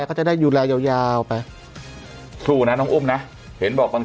เขาจะได้ดูแลยาวยาวไปสู้นะน้องอุ้มนะเห็นบอกบาง